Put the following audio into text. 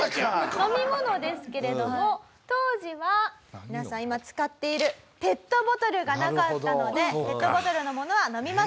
飲み物ですけれども当時は皆さん今使っているペットボトルがなかったのでペットボトルのものは飲みません。